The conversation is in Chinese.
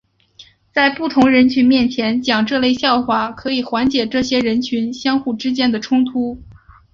在不同人群面前讲这类笑话可以缓解这些人群互相之间的冲突。